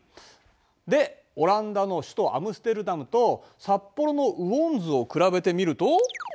でオランダの首都アムステルダムと札幌の雨温図を比べてみると。